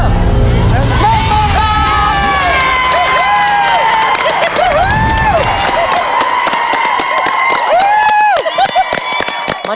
ปล่อยเร็วเร็ว